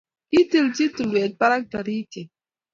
Kotilchi tulwet barak taritiet